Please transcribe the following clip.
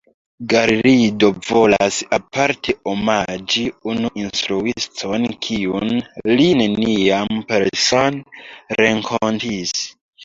Garrido volas aparte omaĝi unu instruiston, kiun li neniam persone renkontis.